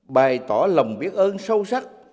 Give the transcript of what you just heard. bài tỏ lòng biết ơn sâu sắc